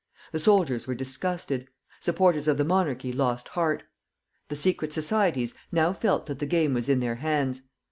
The soldiers were disgusted; supporters of the monarchy lost heart; the secret societies now felt that the game was in their hands.